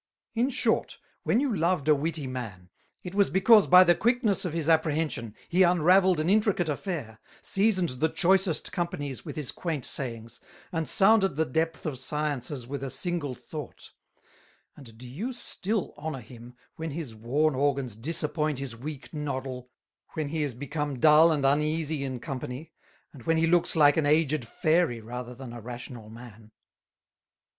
In short, when you loved a Witty Man, it was because by the Quickness of his Apprehension he unravelled an intricate Affair, seasoned the choicest Companies with his quaint Sayings, and sounded the depth of Sciences with a single Thought; and do you still honour him, when his worn Organs disappoint his weak Noddle, when he is become dull and uneasy in Company, and when he looks like an aged Fairy rather than a rational Man?